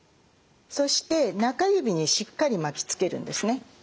そして中指にしっかり巻きつけるんですね。